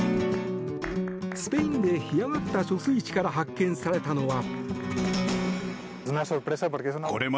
スペインで干上がった貯水池から発見されたのは。